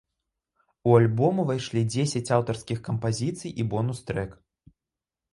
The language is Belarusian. У альбом увайшлі дзесяць аўтарскіх кампазіцый і бонус-трэк.